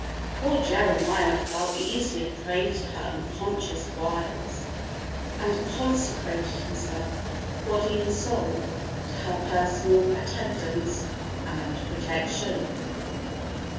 Poor Jeremiah fell easily a prey to her unconscious wiles and consecrated himself, body and soul, to her personal attendance and protection.